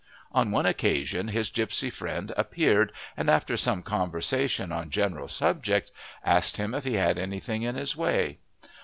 On one occasion his gipsy friend appeared, and after some conversation on general subjects, asked him if he had anything in his way.